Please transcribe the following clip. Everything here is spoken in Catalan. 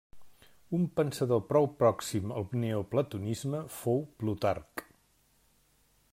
Un pensador prou pròxim al neoplatonisme fou Plutarc.